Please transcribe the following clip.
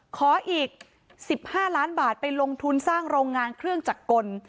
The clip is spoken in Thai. ขออีก๑๕ล้านบาทไปลงทุนสร้างโรงงานเครื่องจักรกล